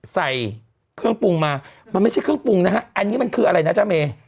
ใส่เครื่องปรุงมามันไม่ใช่เครื่องปรุงนะฮะอันนี้มันคืออะไรนะจ๊ะเม